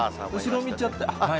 後ろ見ちゃって。